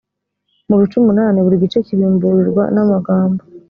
mu bice umunani buri gice kibimburirwa n amagambo